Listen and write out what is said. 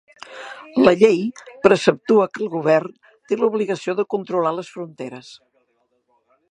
La llei preceptua que el Govern té l'obligació de controlar les fronteres.